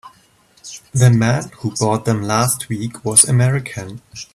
The man who bought them last week was American.